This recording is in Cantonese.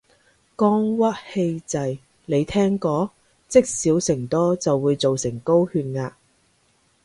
肝鬱氣滯，你聽過？積少成多就會做成高血壓